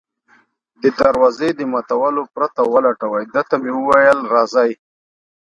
د دروازې د ماتولو پرته ولټوي، ده ته مې وویل: راځئ.